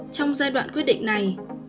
trong giai đoạn quyết định này